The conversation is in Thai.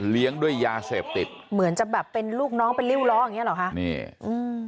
เลี้ยงด้วยยาเสพติดเหมือนจะแบบเป็นลูกน้องเป็นริ้วล้ออย่างนี้หรอค่ะ